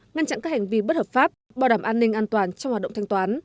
ngăn chặn các hành vi bất hợp pháp bảo đảm an ninh an toàn trong hoạt động thanh toán